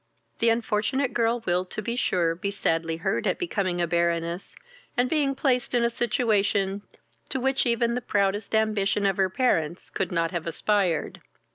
The unfortunate girl will, to be sure, be sadly hurt at becoming a baroness, and being placed in a situation to which even the proudest ambition of her parents could not have aspired.